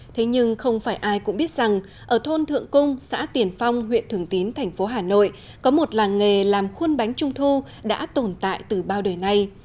thế nhưng không phải ai cũng biết rằng ở thôn thượng cung xã tiền phong huyện thường tín thành phố hà nội có một làng nghề làm khuôn bánh trung thu đã tồn tại từ bao đời nay